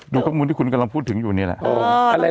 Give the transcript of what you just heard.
ข้อมูลที่คุณกำลังพูดถึงอยู่นี่แหละ